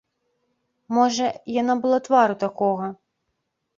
Можа, яна была твару такога?